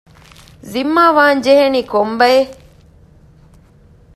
ޒިންމާވާން ޖެހެނީ ކޮން ބައެއް؟